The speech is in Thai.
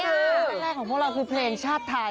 ครั้งแรกของพวกเราคือเพลงชาติไทย